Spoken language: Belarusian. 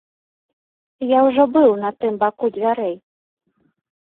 Я ўжо быў на тым баку дзвярэй.